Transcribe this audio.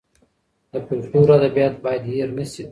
د فولکلور ادبيات بايد هېر نه سي.